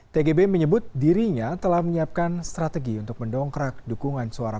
tgb menyebut dirinya telah menyiapkan strategi untuk mendongkrak dukungan suara